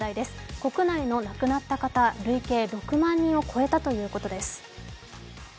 国内の亡くなった方、累計６万人を超えたということです。